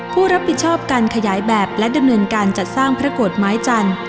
ผู้รับผิดชอบการขยายแบบและดำเนินการจัดสร้างพระโกรธไม้จันทร์